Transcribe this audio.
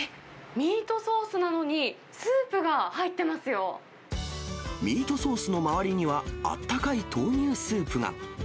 ミートソースなのに、ミートソースの周りには、あったかい豆乳スープが。